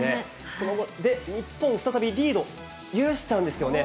その後、日本再びリードを許しちゃうんですよね。